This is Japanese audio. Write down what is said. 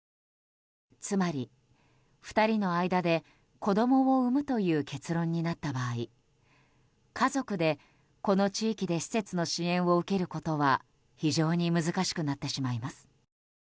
つまり、２人の間で子供を産むという結論になった場合結論になった場合家族でこの地域で施設の支援を受けることは非常に難しくなってしまいます。